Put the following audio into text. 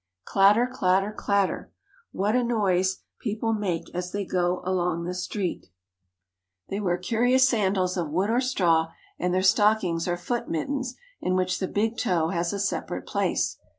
Clatter, clatter, clatter ! What a noise the people make CARP. ASIA — 3 , 42 JAPAN as they go along the street ! They wear curious sandals, of wood or straw, and their stockings are foot mittens, in which the big toe has a separate place.